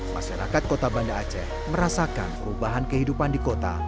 masyarakat kota banda aceh merasakan perubahan kehidupan di kota